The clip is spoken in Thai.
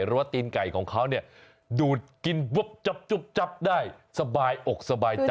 หรือว่าตีนไก่ของเขาดูดกินปุ๊บจับได้สบายอกสบายใจ